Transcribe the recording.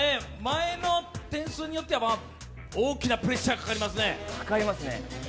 前の点数によっては大きなプレッシャーかかりますね。